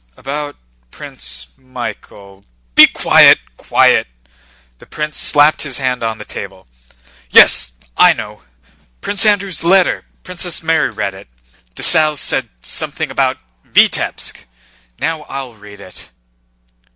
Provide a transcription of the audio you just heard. "About Prince Michael..." "Be quiet, quiet!" The prince slapped his hand on the table. "Yes, I know, Prince Andrew's letter! Princess Mary read it. Dessalles said something about Vítebsk. Now I'll read it."